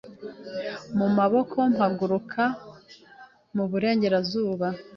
mu maboko mpaguruka mu burengerazuba